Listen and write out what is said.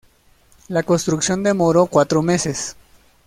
La construcción demoró cuatro meses.